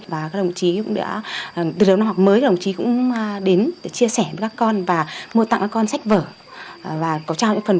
và từ đầu năm học mới các đồng chí cũng đến chia sẻ với các con và mua tặng các con